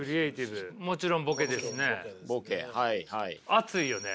熱いよね。